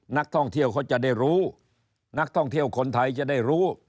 นักท่องเที่ยวเขาจะได้รู้นักท่องเที่ยวคนไทยจะได้รู้